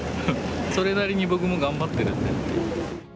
それなりに僕も頑張ってるんで。